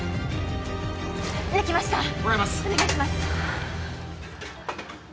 抜きましたもらいますお願いします